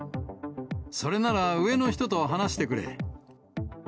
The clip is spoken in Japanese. それなら上の人と話してくれ。